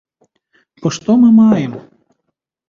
Бо што мы маем?